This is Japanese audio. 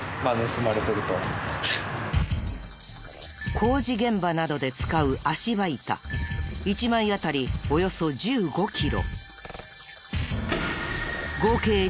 工事現場などで使う足場板１枚あたりおよそ１５キロ。